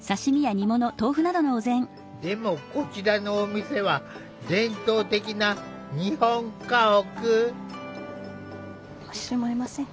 でもこちらのお店は伝統的な日本家屋。